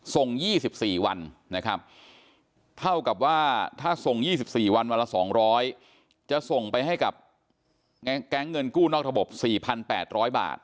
ส่ง๒๔วันนะครับเท่ากับว่าถ้าส่ง๒๔วันวันละ๒๐๐จะส่งไปให้กับแก๊งเงินกู้นอกระบบ๔๘๐๐บาท